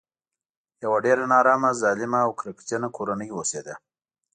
یوه ډېره نارامه ظالمه او کرکجنه کورنۍ اوسېده.